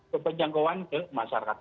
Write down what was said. ke penjangkauan ke masyarakat